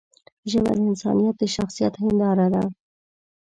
ژبه د انسان د شخصیت هنداره ده